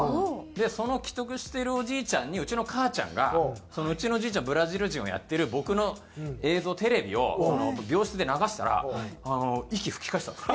でその危篤してるおじいちゃんにうちの母ちゃんが「うちのおじいちゃんブラジル人」をやってる僕の映像テレビを病室で流したら息吹き返したんです。